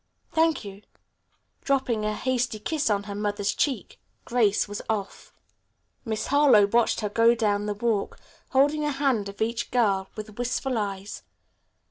"Thank you." Dropping a hasty kiss on her mother's cheek, Grace was off. Mrs. Harlowe watched her go down the walk, holding a hand of each little girl, with wistful eyes.